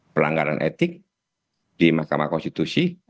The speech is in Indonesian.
pelanggaran etik di mahkamah konstitusi